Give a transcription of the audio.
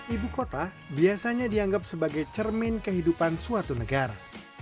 ibu kota biasanya dianggap sebagai cermin kehidupan suatu negara